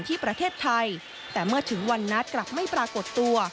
ที่ประเทศไทยแต่เมื่อถึงวันนัดกลับไม่ปรากฏตัว